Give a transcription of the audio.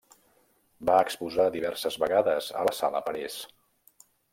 Va exposar diverses vegades a la Sala Parés.